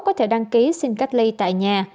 có thể đăng ký xin cách ly tại nhà